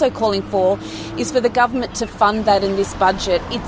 adalah untuk pemerintah mendapatkan dasar ini di budjet ini